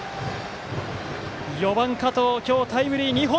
４番、加藤今日タイムリー２本。